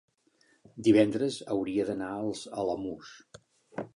divendres hauria d'anar als Alamús.